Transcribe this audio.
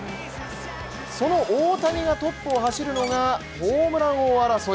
その大谷がトップを走るのがホームラン王争い。